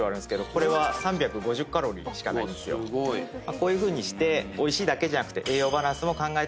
こういうふうにしておいしいだけじゃなくて。